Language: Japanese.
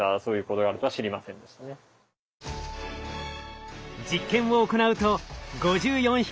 実験を行うと５４匹中２８匹。